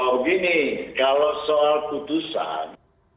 oh gini kalau soal putusan